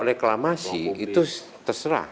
reklamasi itu terserah